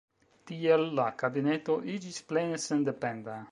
Tiel la kabineto iĝis plene sendependa.